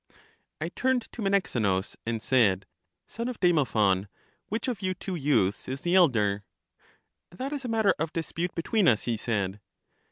I turned to Menexenus, and said: Son of Demo phon, which of you two youths is the elder? That is a matter of dispute between us, he said.